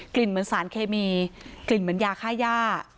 เหมือนสารเคมีกลิ่นเหมือนยาค่าย่า